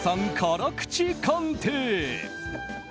辛口鑑定。